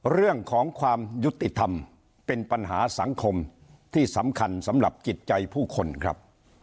เรื่องของความยุติธรรมเป็นปัญหาสังคมที่สำคัญสำหรับจิตใจผู้คนครับ